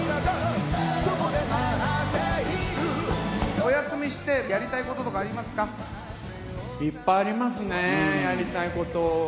お休みしてやりたいこととかいっぱいありますね、やりたいこと。